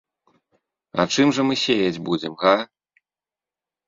А чым жа мы сеяць будзем? га?